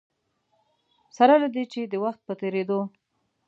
سره له دې چې د وخت په تېرېدو.